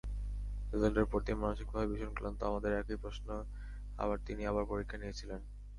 রেজাল্টের পরদিন মানসিকভাবে ভীষণ ক্লান্ত আমাদের একই প্রশ্নে তিনি আবার পরীক্ষা নিয়েছিলেন।